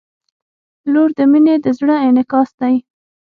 • لور د مینې د زړه انعکاس دی.